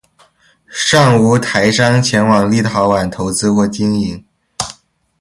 尚无台商前往立陶宛投资或经营。